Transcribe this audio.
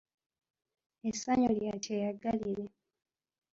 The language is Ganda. Essanyu lya kyeyagalire.